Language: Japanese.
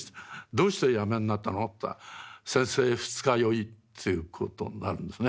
「どうしてやめになったの？」って言ったら先生二日酔いということなんですね。